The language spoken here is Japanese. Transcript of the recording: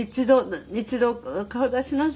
一度顔出しなさいよ。